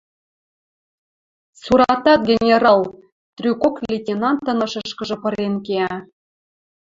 Цуратат генерал!» — трӱкок лейтенантын ышышкыжы пырен кеӓ